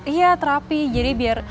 iya terapi jadi biar